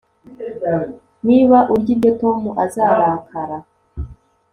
Niba urya ibyo Tom azarakara